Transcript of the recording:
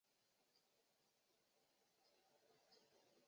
与氢氧化钠反应生成邻苯二甲酸钾钠。